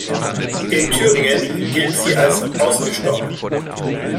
In Thüringen gilt sie als ausgestorben.